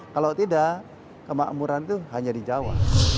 kalau tidak kemakmuran itu hanya di jawa